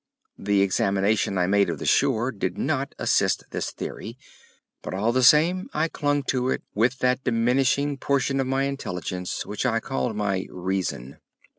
The examination I made of the shore did not assist this theory, but all the same I clung to it with that diminishing portion of my intelligence which I called my "reason."